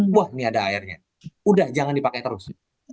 wah ini ada airnya udah jangan dipakai terus